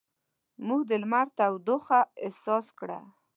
موږ د لمر تودوخه احساس کړه.